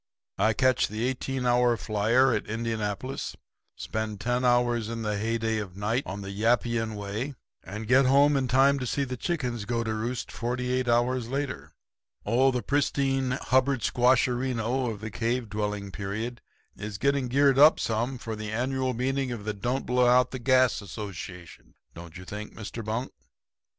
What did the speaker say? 'I catch the eighteen hour flyer at Indianapolis, spend ten hours in the heyday of night on the Yappian Way, and get home in time to see the chickens go to roost forty eight hours later. Oh, the pristine Hubbard squasherino of the cave dwelling period is getting geared up some for the annual meeting of the Don't Blow Out the Gas Association, don't you think, Mr. Bunk?'